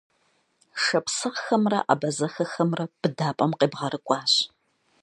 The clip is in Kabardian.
Шапсыгъхэмрэ абазэхэхэмрэ быдапӀэм къебгъэрыкӀуащ.